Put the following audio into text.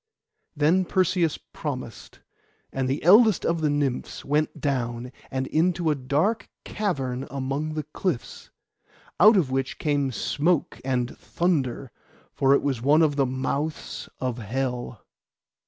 Then Perseus promised, and the eldest of the Nymphs went down, and into a dark cavern among the cliffs, out of which came smoke and thunder, for it was one of the mouths of Hell.